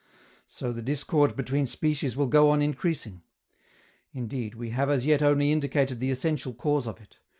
So the discord between species will go on increasing. Indeed, we have as yet only indicated the essential cause of it.